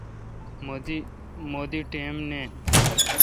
مہ دی ٹئم نین۔